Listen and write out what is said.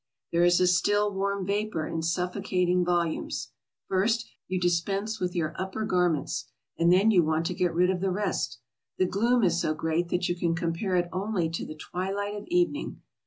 There is a still, warm vapor in suffocating volumes. First, you dispense with your upper 337 338 TRAVELERS AND EXPLORERS garments, and then you want to get rid of the rest. The gloom is so great that you can compare it only to the twi light of evening.